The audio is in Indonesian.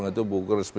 itu buku resmi